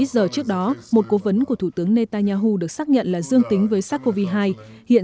giờ trước đó một cố vấn của thủ tướng netanyahu được xác nhận là dương tính với sars cov hai hiện